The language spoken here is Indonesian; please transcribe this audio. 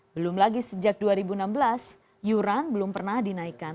belum lagi sejak dua ribu enam belas yuran belum pernah dinaikkan